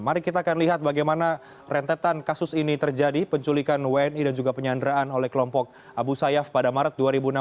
mari kita akan lihat bagaimana rentetan kasus ini terjadi penculikan wni dan juga penyanderaan oleh kelompok abu sayyaf pada maret dua ribu enam belas